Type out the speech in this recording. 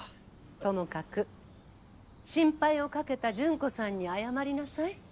ともかく心配をかけた順子さんに謝りなさい。